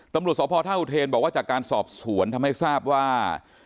ตำรวจสพท่าอุเทนบอกว่าจากการสอบสวนทำให้ทราบว่า